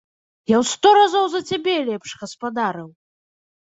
Я ў сто разоў за цябе лепш гаспадарыў!